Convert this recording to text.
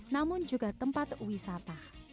namun juga tempat wisata